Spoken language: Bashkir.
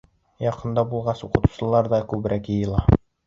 Яҡында булғас, уҡытыусылар ҙа күберәк йыйыла.